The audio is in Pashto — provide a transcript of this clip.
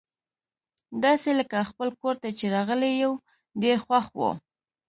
داسي لکه خپل کور ته چي راغلي یو، ډېر خوښ وو.